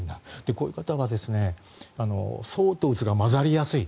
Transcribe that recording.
こういう方はそうとうつが交じりやすい。